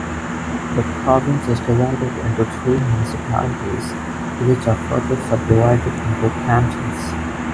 The province is divided into three municipalities which are further subdivided into cantons.